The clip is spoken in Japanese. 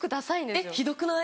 えっひどくない？